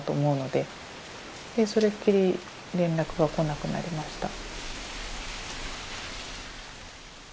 でそれっきり連絡が来なくなりました。